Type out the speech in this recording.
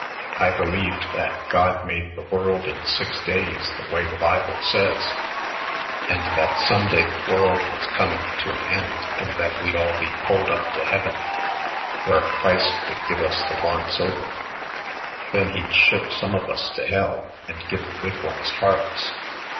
I believed that God made the world in six days the way the Bible says, and that some day the world was coming to an end and that we'd all be pulled up to heaven where Christ would give us the once over. Then he'd ship some of us to hell and give the good ones harps.